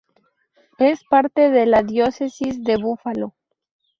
Es parte de la Diócesis de Buffalo.